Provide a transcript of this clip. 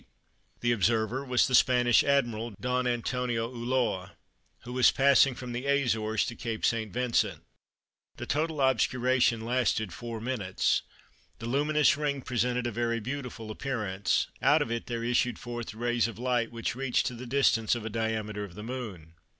The observer was the Spanish Admiral, Don Antonio Ulloa, who was passing from the Azores to Cape St. Vincent. The total obscuration lasted 4 minutes. The luminous ring presented a very beautiful appearance: out of it there issued forth rays of light which reached to the distance of a diameter of the Moon.